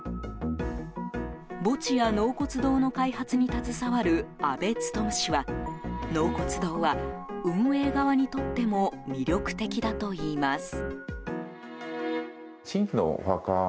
墓地や納骨堂の開発に携わる阿部勉氏は納骨堂は、運営側にとっても魅力的だといいます。